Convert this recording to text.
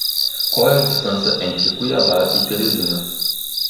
Qual é a distância entre Cuiabá e Teresina?